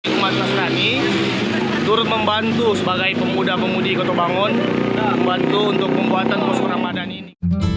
kemas masnani turut membantu sebagai pemuda pemudi kota bangun membantu untuk pembuatan musuh ramadhan ini